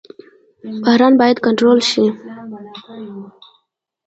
بحران باید کنټرول شي